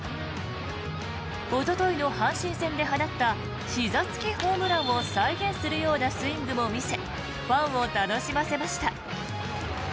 おとといの阪神戦で放ったひざ突きホームランを再現するようなスイングも見せファンを楽しませました。